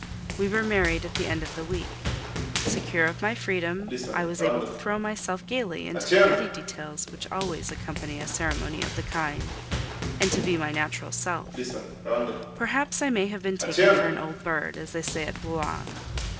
We were married at the end of the week. Secure of my freedom, I was able to throw myself gaily into the petty details which always accompany a ceremony of the kind, and to be my natural self. Perhaps I may have been taken for an old bird, as they say at Blois.